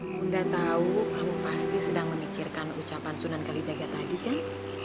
bunda tahu kamu pasti sedang memikirkan ucapan sunan kalijaga tadi kan